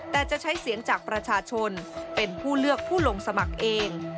แต่จะใช้เสียงจากประชาชนเป็นผู้เลือกผู้ลงสมัครเอง